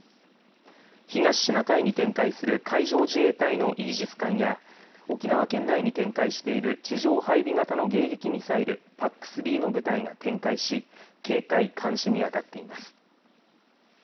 東シナ海に展開する海上自衛隊のイージス艦や沖縄県内に展開している地上配備型の迎撃ミサイル、ＰＡＣ３の部隊が展開し警戒監視にあたっています。